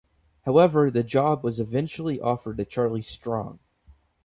However, the job was eventually offered to Charlie Strong.